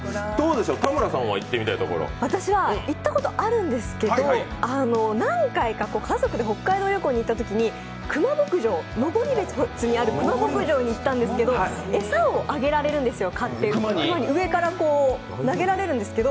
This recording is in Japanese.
私は行ったことあるんですけど、何回か家族で北海道旅行に行ったときに登別にあるクマ牧場に行ったんですけど、クマに上から投げられるんですけど。